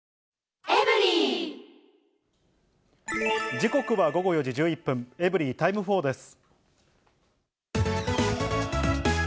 時刻は午後４時１１分、エブリィタイム４です。